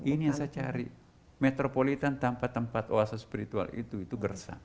ini yang saya cari metropolitan tanpa tempat oasa spiritual itu itu gersang